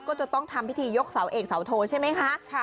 ก็จะต้องทำพิธียกเสาเอกเสาโทใช่ไหมคะ